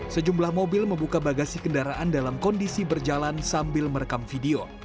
sejumlah mobil membuka bagasi kendaraan dalam kondisi berjalan sambil merekam video